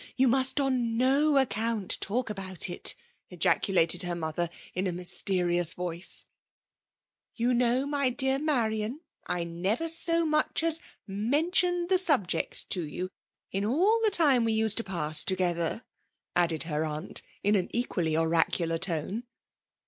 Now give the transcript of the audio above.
you must on no account talk about it !" ejaculated her mother, in a mysterious voice. FEMALE DOMINATION. 157 'YovL know> my dear Mariaii, I never so much as mentioned the subject to you in all the time we used to pass together^ added her aunt^ in an equally oracular tone.